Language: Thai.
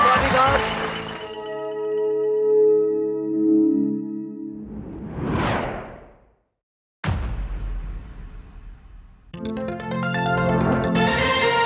ขอบคุณครับ